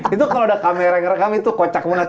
itu kalau ada kamera yang rekam itu kocak banget